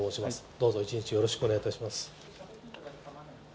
どうぞ一日よろしくお願いいたします。